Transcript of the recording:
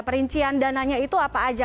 perincian dananya itu apa aja